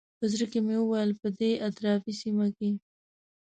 په زړه کې مې وویل په دې اطرافي سیمه کې.